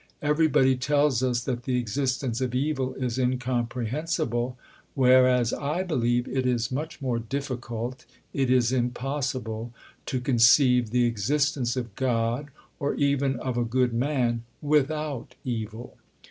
Everybody tells us that the existence of evil is incomprehensible, whereas I believe it is much more difficult it is impossible to conceive the existence of God (or even of a good man) without evil."